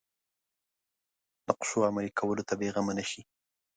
نقشو عملي کولو ته بېغمه نه شي.